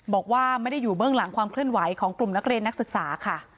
บอกว่าไม่ได้อยู่เบื้องหลังความเคลื่อนไหวของกลุ่มนักเรียนนักศึกษาค่ะ